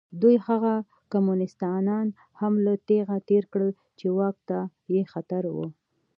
دوی هغه کمونېستان هم له تېغه تېر کړل چې واک ته یې خطر و.